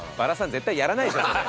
絶対やらないでしょそれ。